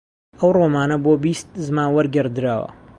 ئەو ڕۆمانە بۆ بیست زمان وەرگێڕدراوە